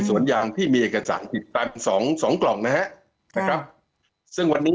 สวนยางที่มีเอกสารติดกันสองสองกล่องนะฮะนะครับซึ่งวันนี้